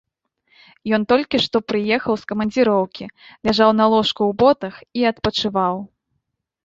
Ён толькі што прыехаў з камандзіроўкі, ляжаў на ложку ў ботах і адпачываў.